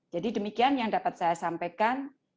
jadi demikian yang dapat saya sampaikan